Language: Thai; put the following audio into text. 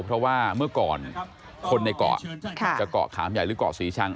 เพราะว่าเมื่อก่อนคนในเกาะจะเกาะขามใหญ่หรือเกาะศรีชัง